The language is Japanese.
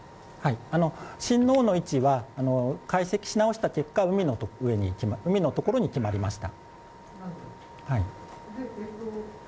震央の位置は解析し直した結果海のところに決まりました。